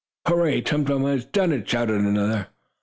"Hurray! Tum Tum has done it!" shouted another.